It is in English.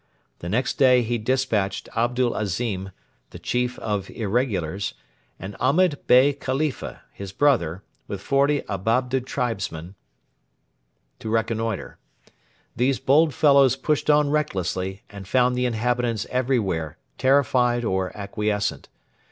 The next day he despatched Abdel Azim, the chief of Irregulars, and Ahmed Bey Khalifa, his brother, with forty Ababda tribesmen, to reconnoitre. These bold fellows pushed on recklessly, and found the inhabitants everywhere terrified or acquiescent.